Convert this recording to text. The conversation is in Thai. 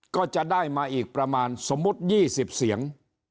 ก็จะได้มาอีกประมาณสมมุติ๒๐เสียง